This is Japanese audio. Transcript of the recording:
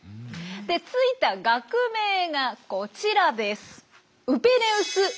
でついた学名がこちらです。